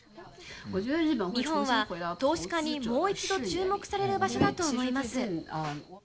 日本は投資家にもう一度注目される場所だと思います。